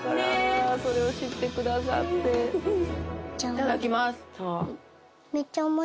いただきます